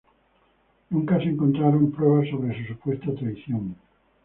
Nunca se encontraron pruebas sobre su supuesta traición.